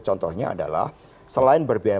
contohnya adalah selain berbiaya